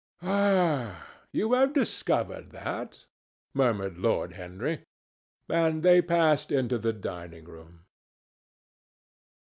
"Ah, you have discovered that?" murmured Lord Henry. And they passed into the dining room.